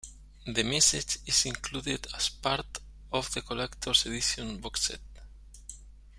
The message is included as part of the collector's edition box set.